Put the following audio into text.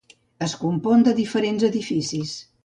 Es compon de diferents edificis.